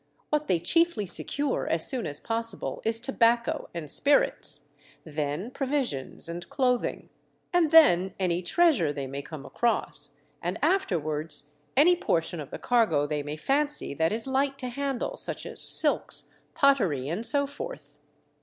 What they chiefly secure as soon as possible is tobacco and spirits ; then provisions, and 30b THE DEATH SHIP. clothing ; and then any treasure they may come across, and afterwards any portion of the cargo they may fancy that is Hght to handle, such as silks, pottery, and so forth."